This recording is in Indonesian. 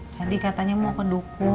tadi katanya mau ke duku